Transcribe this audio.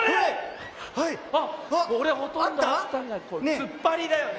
つっぱりだよね。